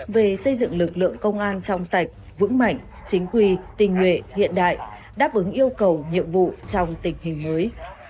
về xây dựng lực lượng công an trong sạch vững mạnh chính quy tình nguyện hiện đại đáp ứng yêu cầu nhiệm vụ trong tình hình mới